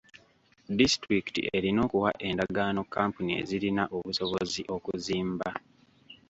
Disitulikiti erina okuwa endagaano kkampuni ezirina obusobozi okuzimba.